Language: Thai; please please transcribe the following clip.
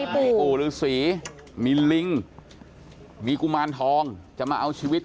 พ่อปูพูดนะเชื่ออะไรครับ